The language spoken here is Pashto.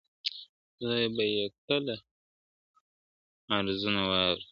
خدای به یې کله عرضونه واوري !.